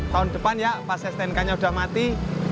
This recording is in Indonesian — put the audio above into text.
tahun depan ya pas ssknya udah mati